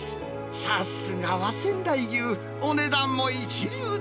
さすがは仙台牛、お値段も一流だ。